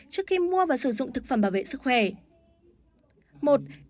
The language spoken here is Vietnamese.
trước khi mua và sử dụng thực phẩm bảo vệ sức khỏe